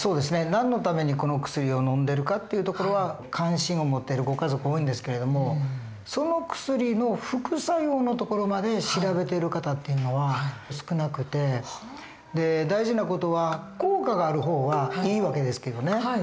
何のためにこの薬をのんでるかっていうところは関心を持ってるご家族多いんですけれどもその薬の副作用のところまで調べてる方っていうのは少なくて大事な事は効果がある方はいい訳ですけどね。